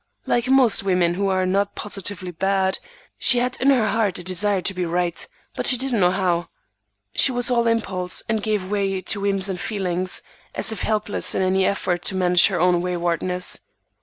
Like most women who are not positively bad, she had in her heart a desire to be right, but she didn't know how. She was all impulse, and gave way to whims and feelings, as if helpless in any effort to manage her own waywardness.